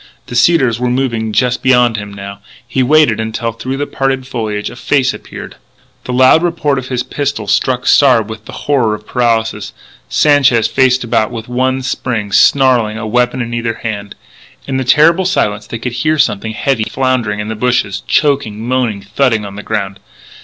The cedars were moving just beyond him now. He waited until, through the parted foliage, a face appeared. The loud report of his pistol struck Sard with the horror of paralysis. Sanchez faced about with one spring, snarling, a weapon in either hand. In the terrible silence they could hear something heavy floundering in the bushes, choking, moaning, thudding on the ground.